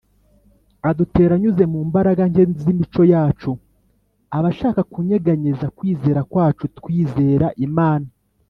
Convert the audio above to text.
Adutera anyuze mu mbaraga nke z’imico yacu. Aba ashaka kunyeganyeza kwizera kwacu twizera Imana